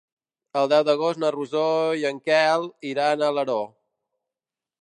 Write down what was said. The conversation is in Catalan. El deu d'agost na Rosó i en Quel iran a Alaró.